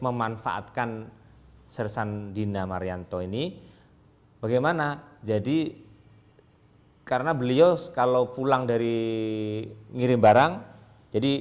memanfaatkan sersan dina marianto ini bagaimana jadi karena beliau kalau pulang dari ngirim barang jadi